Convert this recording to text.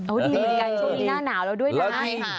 โอ้วดีเหมือนกันช่วงนี้หน้าหนาวแล้วด้วยนะ